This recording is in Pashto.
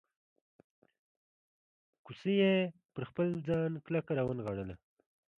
کوسۍ یې پر خپل ځان کلکه راونغاړله.